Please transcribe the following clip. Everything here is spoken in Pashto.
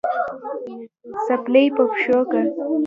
څپلۍ په پښو که